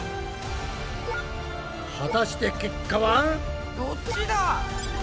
果たして結果は？どっちだ？